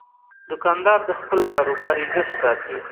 دوکاندار د خپل کاروبار عزت ساتي.